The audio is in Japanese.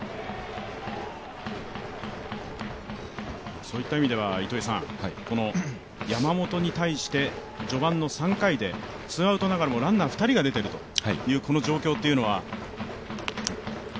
そういった意味では、山本に対して序盤の３回でツーアウトながらもランナー２人が出ている状況というのは？